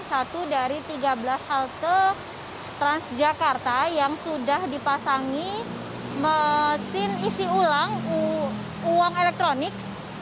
satu dari tiga belas halte transjakarta yang sudah dipasangi mesin isi ulang uang elektronik